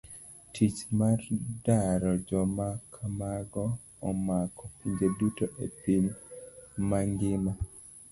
Tich mar daro joma kamago omako pinje duto e piny mang'ima.